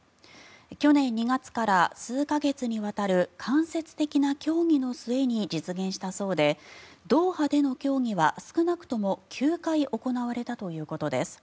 去年２月から数か月にわたる間接的な協議の末に実現したそうでドーハでの協議は少なくとも９回行われたということです。